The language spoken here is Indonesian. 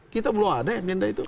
kita belum ada agenda itu